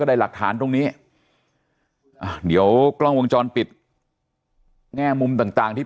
ได้หลักฐานตรงนี้เดี๋ยวกล้องวงจรปิดแง่มุมต่างต่างที่